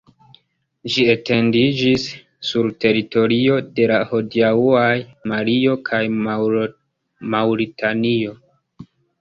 Ĝi etendiĝis sur teritorio de la hodiaŭaj Malio kaj Maŭritanio.